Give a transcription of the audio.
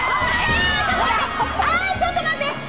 ちょっと待って！